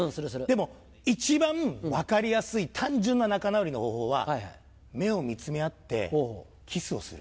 でも一番分かりやすい単純な仲直りの方法は目を見つめ合ってキスをする。